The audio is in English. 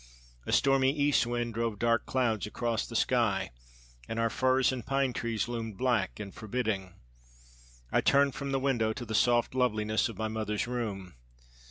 A stormy east wind drove dark clouds across the sky, and our firs and pine trees loomed black and forbidding. I turned from the window to the soft loveliness of my mother's room.